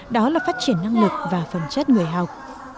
đó là phát triển năng lực và phẩm chất người học